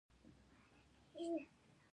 د کوم ځای؟